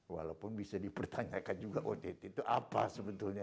walaupun bisa dipertanyakan juga ott itu apa sebetulnya